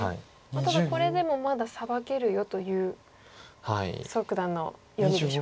ただこれでもまだサバけるよという蘇九段の読みでしょうか。